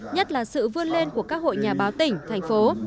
nhất là sự vươn lên của các hội nhà báo tỉnh thành phố